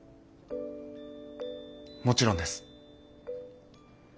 もちろんです。